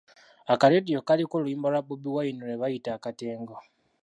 Akaleediyo kaaliko oluyimba lwa Bobi Wine lwe bayita Akatengo.